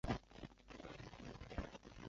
后于嘉靖三十九年时遭到裁撤。